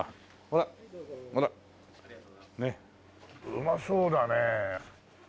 うまそうだねえ。